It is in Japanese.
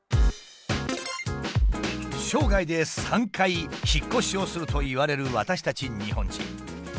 生涯で３回引っ越しをするといわれる私たち日本人。